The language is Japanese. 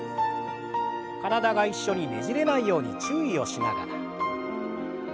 体が一緒にねじれないように注意をしながら。